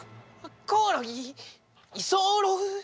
コオロギ？居候？